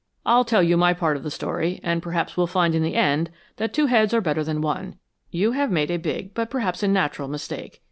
"I'll tell you my part of the story, and perhaps we'll find in the end that two heads are better than one." "You have made a big but perhaps a natural mistake.